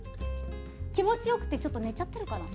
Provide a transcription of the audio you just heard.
気持ちよくて寝ちゃってるかな。